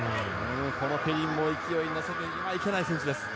このペリンも勢いに乗せてはいけない選手です。